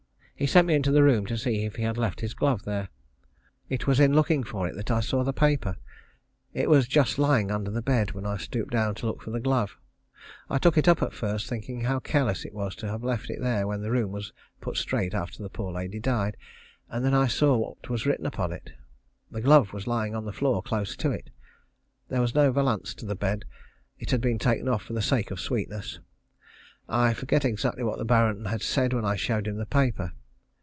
He sent me into the room to see if he had left his glove there. It was in looking for it that I saw the paper. It was lying just under the bed when I stooped down to look for the glove. I took it up at first, thinking how careless it was to have left it there when the room was put straight after the poor lady died, and then I saw what was written upon it. The glove was lying on the floor close to it. There was no vallance to the bed, it had been taken off for the sake of sweetness. I forget exactly what the Baron said when I showed him the paper.